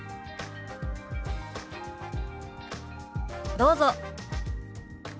どうぞ。